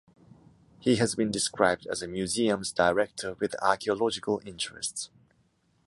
He has been described as ‘a museums’ director with archeological interests’.